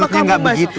maksudnya gak begitu